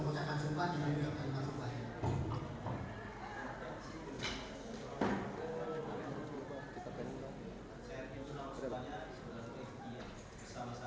ya silahkan di belakang mandarinya kita